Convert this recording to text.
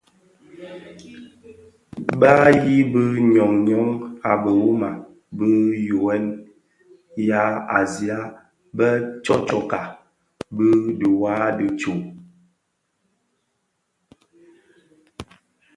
Ba yibi ňyon ňyon a biwuma bi yughèn ya Azia bè tsotsoka bō bi dhiwa di tsog.